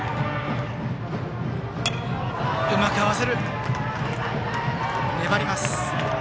うまく合わせる。粘ります。